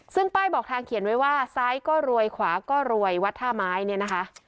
ซึ่งป้ายบอกทางเขียนไว้ว่าซ้ายก็รวยขวาก็รวยวัดท่าไม้เนี่ยนะคะ